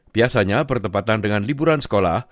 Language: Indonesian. biasanya bertempatan dengan liburan sekolah